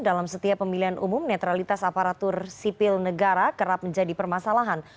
dalam setiap pemilihan umum netralitas aparatur sipil negara kerap menjadi permasalahan